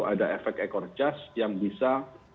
ada efek ekor jas yang bisa